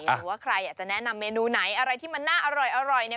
หรือว่าใครอยากจะแนะนำเมนูไหนอะไรที่มันน่าอร่อยเนี่ย